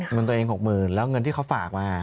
๖๐๐๐๐บาทแล้วเงินที่เขาฝากมา